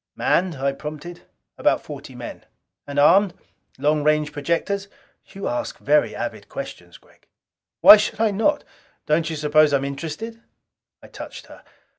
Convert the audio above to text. "Manned " I prompted. "About forty men." "And armed? Long range projectors?" "You ask very avid questions, Gregg!" "Why should I not? Don't you suppose I'm interested?" I touched her.